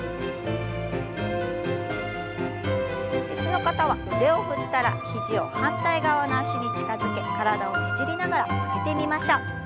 椅子の方は腕を振ったら肘を反対側の脚に近づけ体をねじりながら曲げてみましょう。